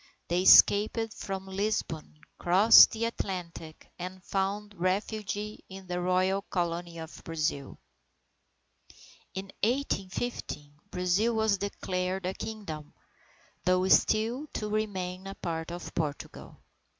They escaped from Lisbon, crossed the Atlantic, and found refuge in the royal Colony of Brazil. In 1815, Brazil was declared a Kingdom, though still to remain a part of Portugal.